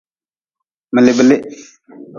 Miliblih.